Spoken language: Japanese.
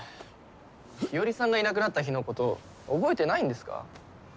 日和さんがいなくなった日のこと覚えてないんですか？